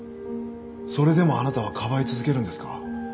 それでもあなたはかばい続けるんですか？